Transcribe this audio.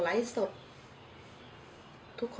แล้วบอกว่าไม่รู้นะ